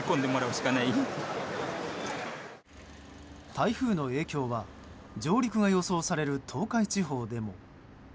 台風の影響は上陸が予想される東海地方でも。